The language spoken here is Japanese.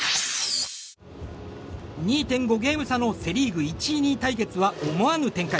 ２．５ゲーム差のセ・リーグ１位２位対決は思わぬ展開。